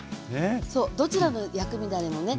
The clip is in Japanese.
どちらの薬味だれもね